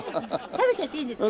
食べちゃっていいですよ